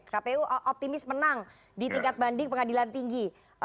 kpu optimis menang di tingkat banding pengadilan tinggi